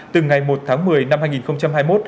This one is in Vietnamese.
từ ngày một tháng một mươi năm hai nghìn hai mươi một